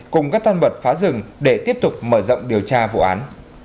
cùng các toàn bật phá rừng để tiếp tục mở rộng điều tra vụ án